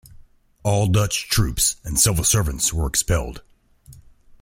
All Dutch troops and civil servants were expelled.